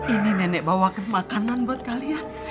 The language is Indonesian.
ini nenek bawa ke makanan buat kalian